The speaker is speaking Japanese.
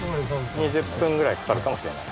２０分くらいかかるかもしれない？